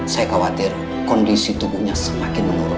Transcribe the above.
saya khawatir kondisi tubuhnya semakin menurun